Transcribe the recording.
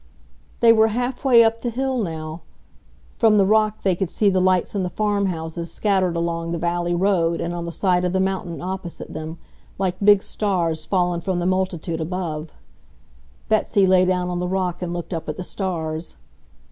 They were half way up the hill now. From the rock they could see the lights in the farmhouses scattered along the valley road and on the side of the mountain opposite them, like big stars fallen from the multitude above. Betsy lay down on the rock and looked up at the stars.